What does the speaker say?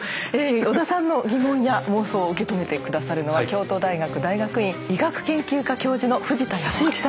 織田さんの疑問や妄想を受け止めて下さるのは京都大学大学院医学研究科教授の藤田恭之さんです。